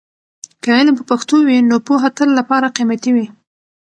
که علم په پښتو وي، نو پوهه تل لپاره قیمتي وي.